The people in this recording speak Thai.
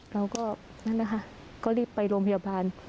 นั่นนะคะก็รีบไปโรงพยาบาล